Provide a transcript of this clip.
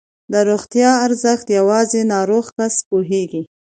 د روغتیا ارزښت یوازې ناروغ کس پوهېږي.